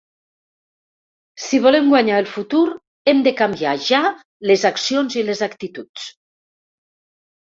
Si volem guanyar el futur, hem de canviar ja les accions i les actituds.